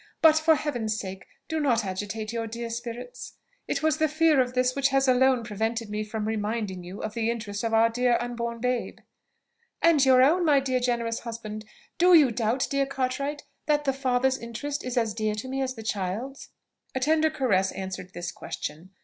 But for Heaven's sale do not agitate your dear spirits! it was the fear of this which has alone prevented me from reminding you of the interest of our dear unborn babe." "And your own, my dear generous husband! Do you doubt, dear Cartwright, that the father's interest is as dear to me as the child's?" A tender caress answered this question.